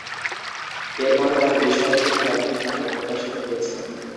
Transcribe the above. এরপরে তার বেশ কয়েকটি ধারাবাহিক নাটক প্রকাশিত হয়েছে।